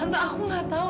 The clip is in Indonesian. tante aku nggak tahu